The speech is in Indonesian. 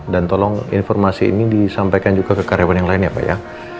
dan tolong informasi ini disampaikan juga ke karyawan yang lain ya pak ya